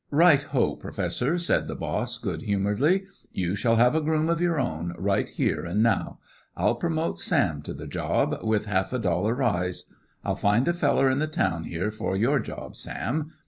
"Right ho, Professor!" said the boss, good humouredly. "You shall have a groom of your own, right here an' now. I'll promote Sam to the job, with half a dollar rise. I'll find a feller in the town here for your job, Sam.